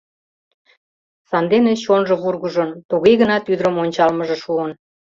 Сандене чонжо вургыжын, туге гынат ӱдырым ончалмыже шуын.